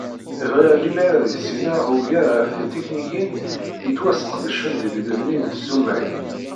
Bɣiɣ lemmer ad issineɣ ugar ɣef tetiknikin yettwasqedcen deg lebni n tzumag.